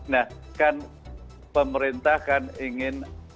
nah kan pemerintah ingin